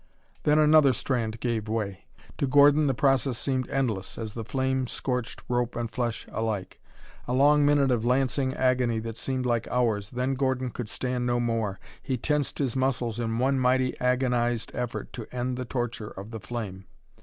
Then another strand gave way. To Gordon the process seemed endless as the flame scorched rope and flesh alike. A long minute of lancing agony that seemed hours then Gordon could stand no more. He tensed his muscles in one mighty agonized effort to end the torture of the flame.